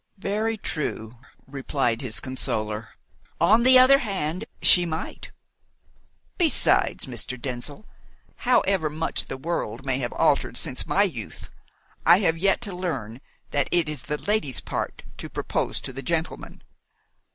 "Very true," replied his consoler. "On the other hand, she might. Besides, Mr. Denzil, however much the world may have altered since my youth, I have yet to learn that it is the lady's part to propose to the gentleman."